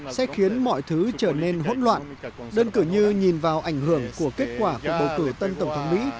sẽ khiến mọi thứ trở nên hỗn loạn đơn cử như nhìn vào ảnh hưởng của kết quả cuộc bầu cử tân tổng thống mỹ